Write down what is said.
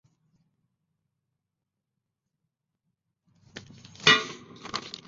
烈香杜鹃为杜鹃花科杜鹃花属下的一个种。